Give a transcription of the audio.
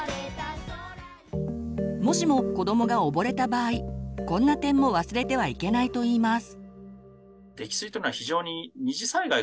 もしも子どもが溺れた場合こんな点も忘れてはいけないといいます。